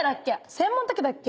専門のときだっけ？